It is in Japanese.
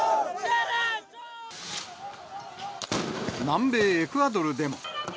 南米エクアドルでも。